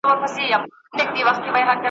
موږ څو ځلي د لستوڼي مار چیچلي `